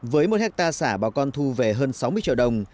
với một hectare xả bà con thu về hơn sáu mươi triệu đồng